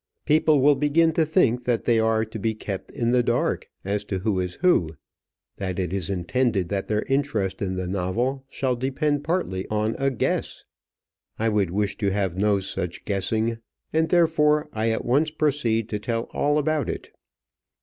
People will begin to think that they are to be kept in the dark as to who is who; that it is intended that their interest in the novel shall depend partly on a guess. I would wish to have no guessing, and therefore I at once proceed to tell all about it.